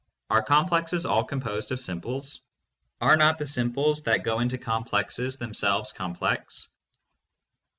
Are complexes all composed of simples ? Are not the simples that go into complexes themselves complex?